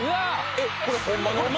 えっこれホンマもんの？